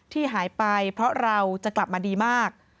ที่หายไปเพราะเราจะกลับมาดีมาก